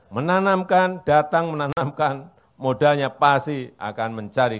menanamkan datang menanamkan modalnya pasti akan mencari